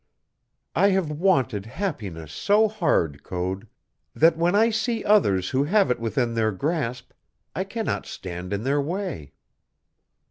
I have wanted happiness so hard, Code, that when I see others who have it within their grasp, I cannot stand in their way.